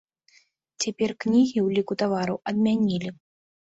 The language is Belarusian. Цяпер кнігі ўліку тавараў адмянілі.